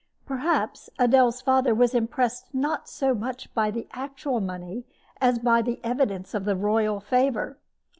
Perhaps Adele's father was impressed not so much by the actual money as by the evidence of the royal favor.